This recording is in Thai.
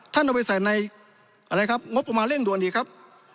ท่านเอาไปใส่ในงบประมาณเร่งด่วนดีครับ